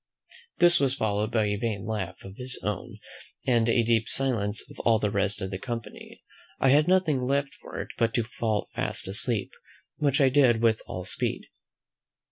This was followed by a vain laugh of his own, and a deep silence of all the rest of the company. I had nothing left for it but to fall fast asleep, which I did with all speed.